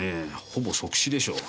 ほぼ即死でしょう。